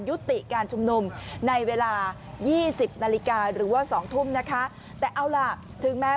ยุติการชุมนุมในเวลายี่สิบนาฬิกาหรือว่าสองทุ่มนะคะแต่เอาล่ะถึงแม้